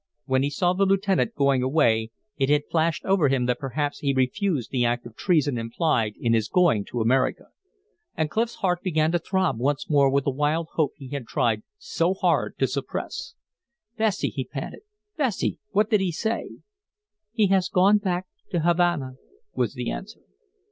When he saw the lieutenant going away it had flashed over him that perhaps he refused the act of treason implied in his going to America. And Clif's heart began to throb once more with the wild hope he had tried so hard to suppress. "Bessie!" he panted. "Bessie! What did he say?" "He has gone back to Havana," was the answer.